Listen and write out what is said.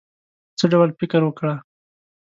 څه ډول فکر وکړی.